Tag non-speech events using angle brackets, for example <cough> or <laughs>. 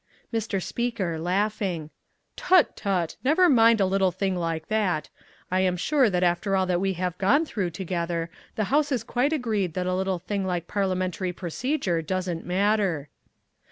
Mr. Speaker. <laughs> "Tut, tut, never mind a little thing like that. I am sure that after all that we have gone through together, the House is quite agreed that a little thing like parliamentary procedure doesn't matter."